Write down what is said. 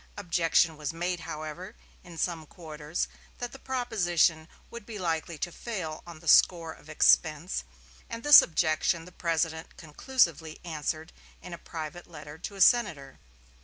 Objection was made, however, in some quarters that the proposition would be likely to fail on the score of expense, and this objection the President conclusively answered in a private letter to a senator.